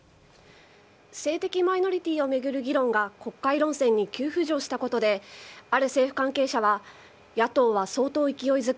性的マイノリティーを巡る議論が国会論戦に急浮上したことである政府関係者は野党は相当勢いづく。